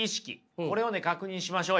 これをね確認しましょうよ。